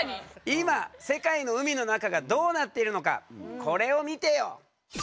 今世界の海の中がどうなっているのかこれを見てよ。